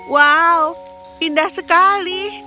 wow indah sekali